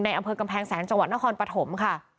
อำเภอกำแพงแสนจังหวัดนครปฐมค่ะ